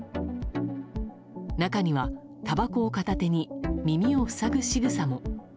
中には、たばこを片手に耳を塞ぐしぐさも。